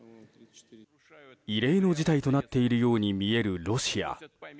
異例の事態となっているようにみえるロシア。